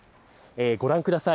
ご覧ください。